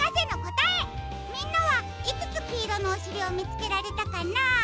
みんなはいくつきいろのおしりをみつけられたかな？